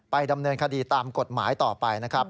ดำเนินคดีตามกฎหมายต่อไปนะครับ